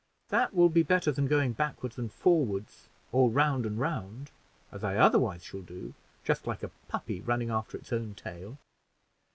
That will be better than going backward and forward, or round and round, as I shall otherwise do, just like a puppy running alter its own tail.